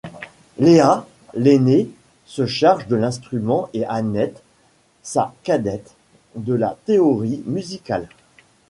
Léa, l'aînée, se charge de l'instrument et Annette, sa cadette, de la théorie musicale.